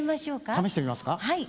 試してみますか？